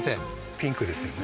ピンクですよね。